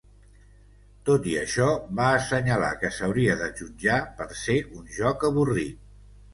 Tot i això, va assenyalar que s'hauria de jutjar per ser un joc avorrit.